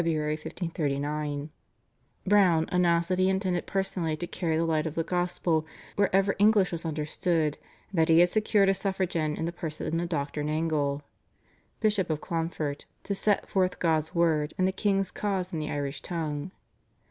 1539) Browne announced that he intended personally to carry the light of the gospel wherever English was understood, and that he had secured a suffragan in the person of Dr. Nangle, Bishop of Clonfert, to set forth God's Word and the king's cause in the Irish tongue.